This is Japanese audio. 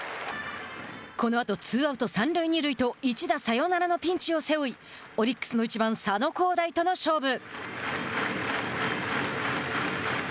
このあとツーアウト、三塁二塁と一打サヨナラのピンチを背負いオリックスの１番佐野皓大との勝負。